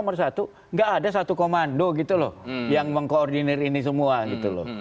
kalau masalah kita nomor satu enggak ada satu komando gitu loh yang mengkoordinir ini semua gitu loh